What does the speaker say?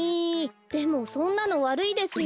でもそんなのわるいですよ。